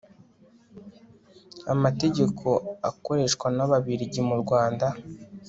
amategeko akoreshwa n'ababiligi mu rwanda